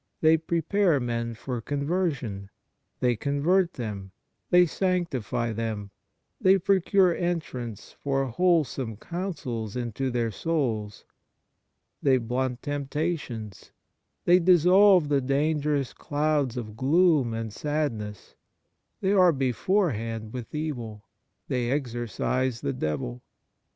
They prepare men for conversion, they convert them, they sanctify them, they procure entrance for wholesome counsels into their souls ; they blunt temptations, they dissolve the dangerous clouds of gloom and sadness, they are beforehand with evil, they exorcise the devil.